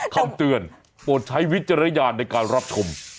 คำเตือนโปรดใช้วิจารณญาณในการรับชม